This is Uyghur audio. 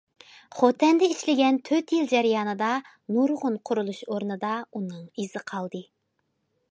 خوتەندە ئىشلىگەن تۆت يىل جەريانىدا نۇرغۇن قۇرۇلۇش ئورنىدا ئۇنىڭ ئىزى قالدى.